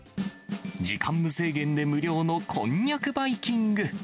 時間無制限で無料のこんにゃくバイキング。